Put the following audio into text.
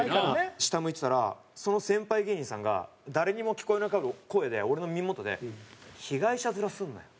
下向いてたらその先輩芸人さんが誰にも聞こえない声で俺の耳元で「被害者面するなよ」。